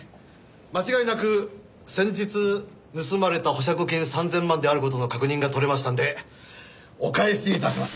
間違いなく先日盗まれた保釈金３０００万である事の確認が取れましたのでお返し致します。